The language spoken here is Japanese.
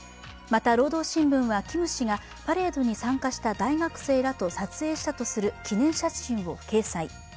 また、「労働新聞」はキム氏がパレードに参加した大学生らと撮影したとする記念写真を掲載。